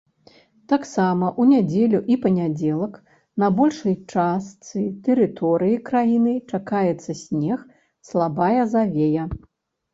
Таксама ў нядзелю і панядзелак на большай частцы тэрыторыі краіны чакаецца снег, слабая завея.